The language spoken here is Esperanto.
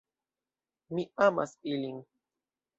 Mi amas ilin!